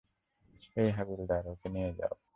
এই হাবিলদার, ওকে নিয়ে যাও।